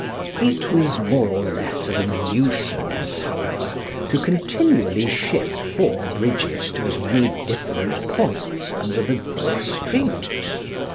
It was more or less of a nuisance, however, to continually shift four bridges to as many different points under the four strings.